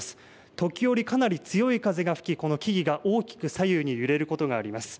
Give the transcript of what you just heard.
時折、かなり強い風が吹きこの木々が大きく左右に揺れることがあります。